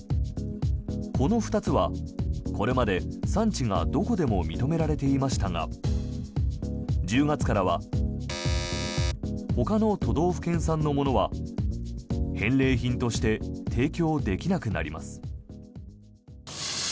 この２つはこれまで産地がどこでも認められていましたが１０月からはほかの都道府県産のものは返礼品として提供できなくなります。